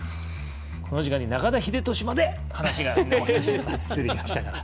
この時間に中田英寿まで話が出てきましたから。